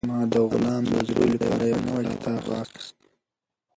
ما د غلام د زوی لپاره یو نوی کتاب واخیست.